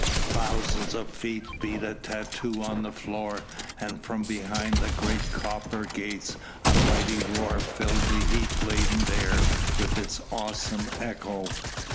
Thousands of feet beat a tattoo on the floor, and from behind the great copper gates a mighty roar filled the heat laden air with its awesome echo.